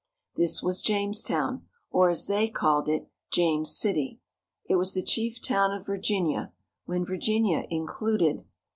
This was Jamestown, or, as they called it, James City. It was the chief town of Virginia when Virginia included CARP.